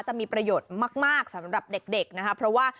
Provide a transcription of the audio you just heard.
จะมีประโยชน์มากสำหรับเด็กนะคะเพราะว่า